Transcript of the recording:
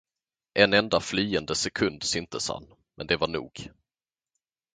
En enda flyende sekund syntes han, men det var nog.